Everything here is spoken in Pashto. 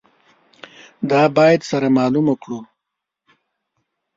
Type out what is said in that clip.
دا باید سره معلومه کړو.